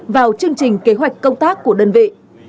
vào chương trình kế hoạch công tác của đơn vị